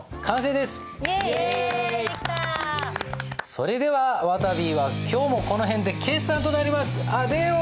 それではわたびは今日もこの辺で決算となります。